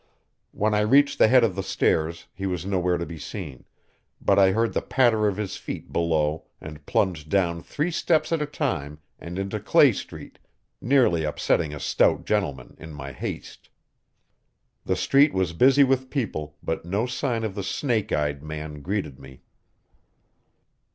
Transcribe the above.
When I reached the head of the stairs he was nowhere to be seen, but I heard the patter of his feet below and plunged down three steps at a time and into Clay street, nearly upsetting a stout gentleman in my haste. The street was busy with people, but no sign of the snake eyed man greeted me.